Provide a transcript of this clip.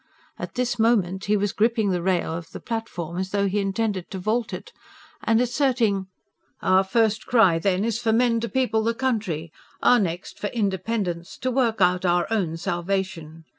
At this moment he was gripping the rail of the platform as though he intended to vault it, and asserting: "Our first cry, then, is for men to people the country; our next, for independence, to work out our own salvation.